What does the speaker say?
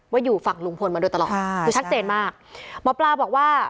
อยู่ฝั่งลุงพลมาโดยตลอดคือชัดเจนมากหมอปลาบอกว่า